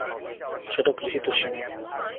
সেটা গৃহীত সীমা।